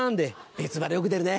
「別腹」よく出るね！